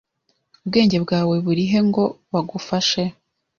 Ubwenge bwawe burihe ngo bagufashe?